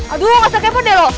aduh gak usah kepo deh lo